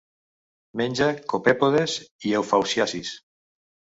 Menja copèpodes i eufausiacis.